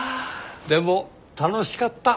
でも楽しかった。